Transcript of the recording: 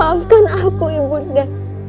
maafkan aku ibu nanda